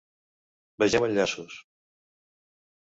Vegeu enllaços.